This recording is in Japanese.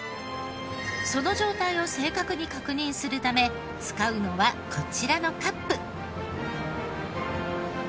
その状態を正確に確認するため使うのはこちらのカップ。